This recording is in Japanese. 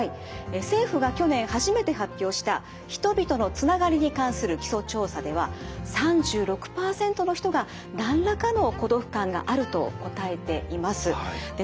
政府が去年初めて発表した「人々のつながりに関する基礎調査」では３６％の人が何らかの「孤独感がある」と答えています。